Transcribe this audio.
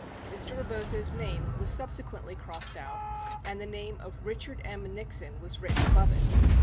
67 Mr. Rebozo's name was sub sequently crossed out and the name of Richard M. Nixon written above it.